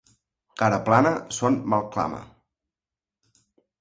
Cara plana son mal clama.